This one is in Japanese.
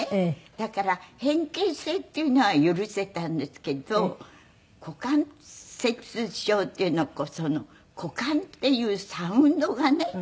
だから変形性っていうのは許せたんですけど股関節症っていうの股間っていうサウンドがね